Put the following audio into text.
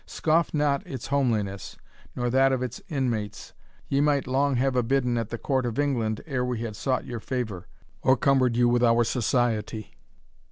Scoff not its homeliness, nor that of its inmates ye might long have abidden at the court of England, ere we had sought your favour, or cumbered you with our society.